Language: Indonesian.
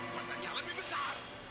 mata yang lebih besar